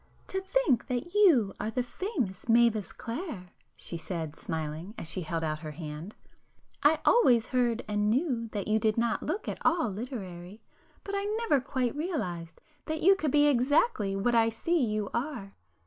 "To think that you are the famous Mavis Clare!" she said, smiling, as she held out her hand—"I always heard and knew that you did not look at all literary, but I never quite realized that you could be exactly what I see you are!"